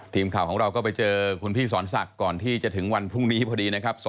ทีมข่าวของเราก็ไปเจอคุณพี่สอนศักดิ์ก่อนที่จะถึงวันพรุ่งนี้พอดีนะครับ